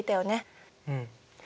うん。